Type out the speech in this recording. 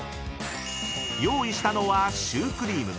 ［用意したのはシュークリーム］